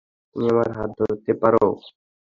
তুমি আমার হাত ধরতে পারো।